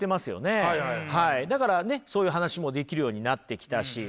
だからねそういう話もできるようになってきたし。